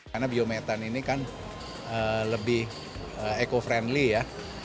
karena biometan ini kan lebih eco friendly ya